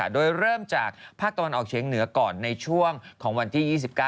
โดยเริ่มจากภาคตะวันออกเฉียงเหนือก่อนในช่วงของวันที่๒๙